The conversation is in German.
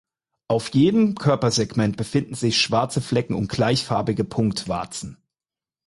Auf jedem Körpersegment befinden sich schwarze Flecke und gleichfarbige Punktwarzen.